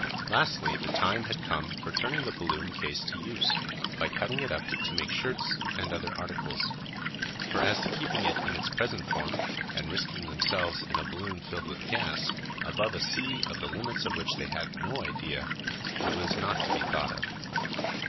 Lastly, the time had come for turning the balloon case to use, by cutting it up to make shirts and other articles; for as to keeping it in its present form, and risking themselves in a balloon filled with gas, above a sea of the limits of which they had no idea, it was not to be thought of.